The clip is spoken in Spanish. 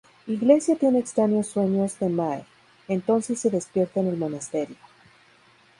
Iglesia tiene extraños sueños de Mae, entonces se despierta en el monasterio.